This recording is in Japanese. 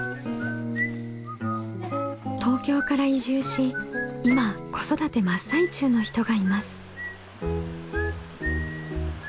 東京から移住し今子育て真っ最中の人がいます。